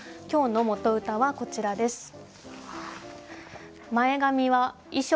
今日の元歌はこちらです。